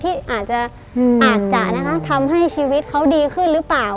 ทจะทำให้ชีวิตเขาดีขึ้นรึเปล่า